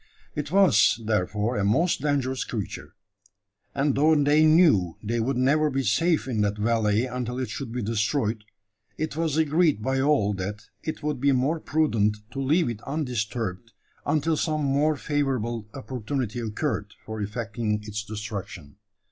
It was therefore a most dangerous creature; and though they knew they would never be safe in that valley until it should be destroyed, it was agreed by all that it would be more prudent to leave it undisturbed until some more favourable opportunity occurred for effecting its destruction.